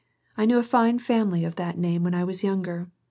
I knew a fine family of that name when I was younger.